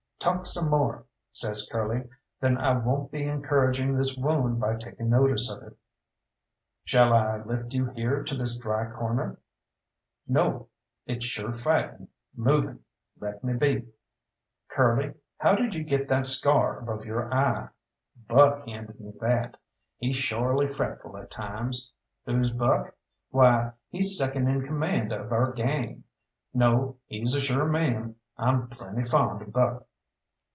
"Talk some more," says Curly, "then I won't be encouraging this wound by taking notice of it." "Shall I lift you here to this dry corner?" "No; it's sure fighting, moving. Leave me be." "Curly, how did you get that scar above your eye?" "Buck handed me that. He's shorely fretful at times. Who's Buck? Why, he's second in command of our gang. No, he's a sure man. I'm plenty fond of Buck."